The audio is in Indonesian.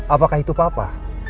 apakah itu papa